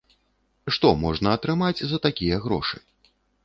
Што можна атрымаць за такія грошы?